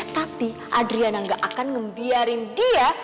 tapi adriana gak akan ngembiarin dia